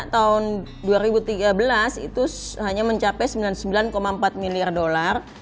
tahun dua ribu tiga belas itu hanya mencapai sembilan puluh sembilan empat miliar dolar